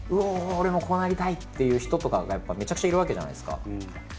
俺もこうなりたい！っていう人とかがやっぱりめちゃくちゃいるわけじゃないですか。